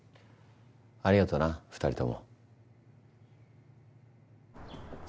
ありがとな２人共。